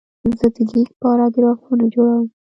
زه د لیک پاراګرافونه جوړوم.